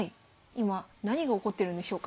今何が起こってるんでしょうか？